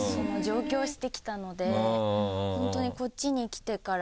本当にこっちに来てから。